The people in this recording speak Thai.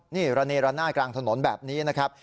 นี่ระเนระนาดกลางถนนแบบนี้นะครับ